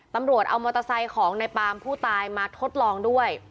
ตำรวจเอามอเตอร์ไซค์ของในปามผู้ตายมาทดลองด้วย